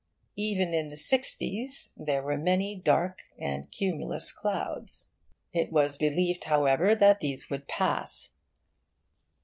Even in the 'sixties there were many dark and cumulose clouds. It was believed, however, that these would pass.